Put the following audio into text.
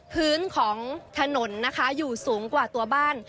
ผืนของถนนอยู่สูงกว่าบ้าน